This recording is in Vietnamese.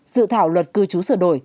dự thảo luật cư chú sửa đổi